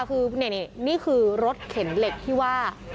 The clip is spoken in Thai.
คือนี่คือรถเข็นเหล็กที่ว่า